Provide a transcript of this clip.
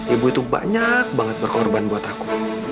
ibu itu banyak banget berkorban buat aku